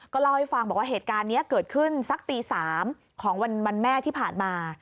เล่าให้ฟังบอกว่าเหตุการณ์นี้เกิดขึ้นสักตี๓ของวันแม่ที่ผ่านมา